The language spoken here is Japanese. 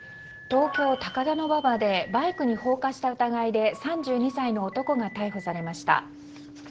東京・高田馬場でバイクに放火した疑いで３２歳の男が逮捕されました。